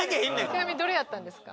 ちなみにどれやったんですか？